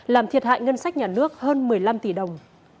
làm thiệt hại ngân sách nhà nước hơn một mươi năm tỷ đồng